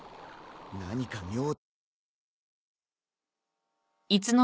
何か妙。